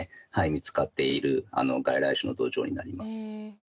見つかっている外来種のドジョウになります。